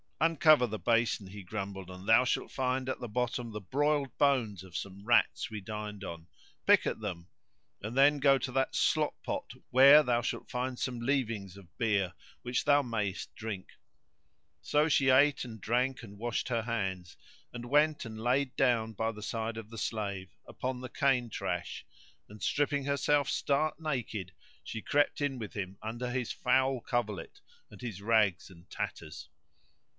Uncover the basin," he grumbled, "and thou shalt find at the bottom the broiled bones of some rats we dined on, pick at them, and then go to that slop pot where thou shalt find some leavings of beer [FN#123] which thou mayest drink." So she ate and drank and washed her hands, and went and lay down by the side of the slave, upon the cane trash and, stripping herself stark naked, she crept in with him under his foul coverlet and his rags and tatters.